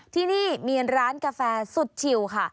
ที่นี่มีร้านกาแฟสุดชิวค่ะ